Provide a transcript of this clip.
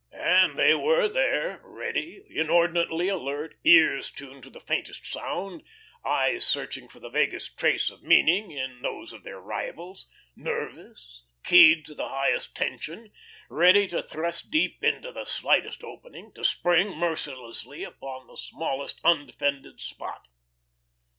And they were there, ready, inordinately alert, ears turned to the faintest sound, eyes searching for the vaguest trace of meaning in those of their rivals, nervous, keyed to the highest tension, ready to thrust deep into the slightest opening, to spring, mercilessly, upon the smallest undefended spot.